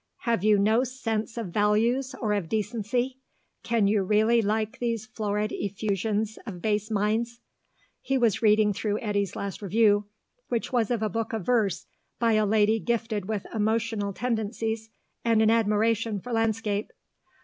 Have you no sense of values or of decency? Can you really like these florid effusions of base minds?" He was reading through Eddy's last review, which was of a book of verse by a lady gifted with emotional tendencies and an admiration for landscape.